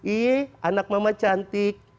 ih anak mama cantik